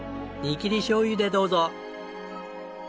煮きりしょうゆでどうぞ。